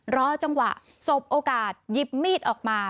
รอจังหวะสบโอกาสหยิบมีดออกมา